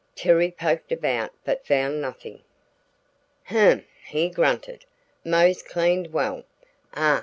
Terry poked about but found nothing. "H'm!" he grunted. "Mose cleaned well. Ah!